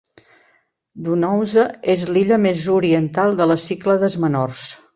Donousa és l'illa més oriental de les Cíclades menors.